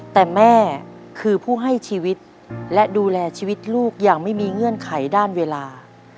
แต่แม่คือผู้ให้ชีวิตและดูแลชีวิตลูกอย่างไม่มีเงื่อนไขด้านเวลา